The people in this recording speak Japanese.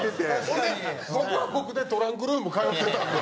ほんで僕は僕でトランクルーム通ってたんで。